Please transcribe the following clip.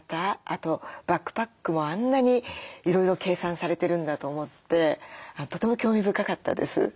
あとバックパックもあんなにいろいろ計算されてるんだと思ってとても興味深かったです。